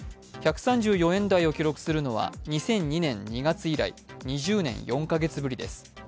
１３４円台を記録するのは２００２年２月以来、２０年４カ月ぶりです。